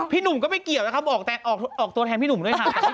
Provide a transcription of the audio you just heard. หนุ่มก็ไม่เกี่ยวนะครับออกตัวแทนพี่หนุ่มด้วยค่ะ